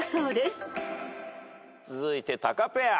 続いてタカペア。